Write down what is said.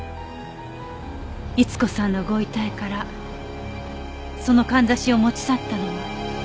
伊津子さんのご遺体からその簪を持ち去ったのは。